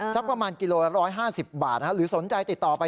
สักประมาณกิโลละ๑๕๐บาทหรือสนใจติดต่อไป